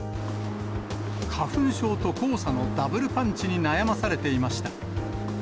花粉症と黄砂のダブルパンチに悩まされていました。